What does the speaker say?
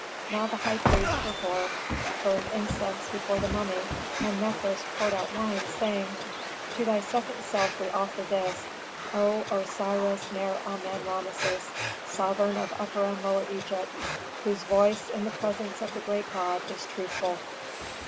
Now the high priest Herhor burned incense before the mummy, and Mefres poured out wine, saying, "To thy second self we offer this, O Osiris Mer Amen Rameses, sovereign of Upper and Lower Egypt, whose voice in the presence of the great god is truthful."